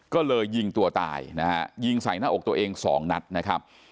ก็เลยยิงตัวตายนะฮะยิงใส่หน้าอกตัวเองสองนัดนะครับ